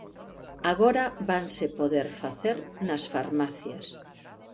Agora vanse poder facer nas farmacias.